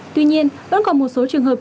tuy nhiên vẫn còn một số trường hợp